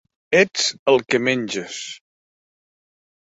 Ets el que menges.